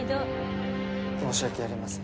申し訳ありません。